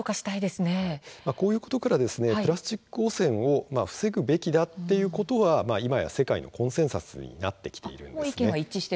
こういうことからプラスチック汚染を防ぐべきだということは今や世界のコンセンサスになってきています。